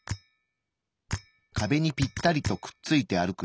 壁にぴったりとくっついて歩く